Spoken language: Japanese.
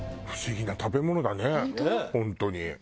不思議な食べ物だね本当に。